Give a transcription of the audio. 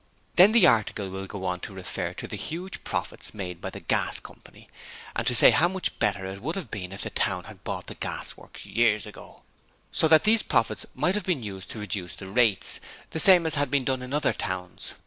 Then the article will go on to refer to the huge profits made by the Gas Coy and to say how much better it would have been if the town had bought the gasworks years ago, so that those profits might have been used to reduce the rates, the same as has been done in other towns.